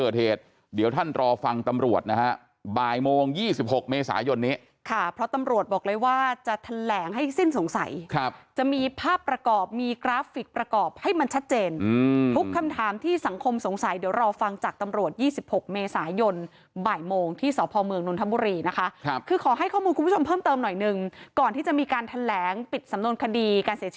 เดี๋ยวท่านรอฟังตำรวจนะฮะบ่ายโมง๒๖เมษายนเนี้ยค่ะเพราะตำรวจบอกเลยว่าจะแถนแหลงให้สิ้นสงสัยครับจะมีภาพประกอบมีกราฟิกประกอบให้มันชัดเจนอืมทุกคำถามที่สังคมสงสัยเดี๋ยวรอฟังจากตำรวจ๒๖เมษายนบ่ายโมงที่สภเมืองนนทมุรีนะคะครับคือขอให้ข้อมูลคุณผู้ชมเพิ่มเ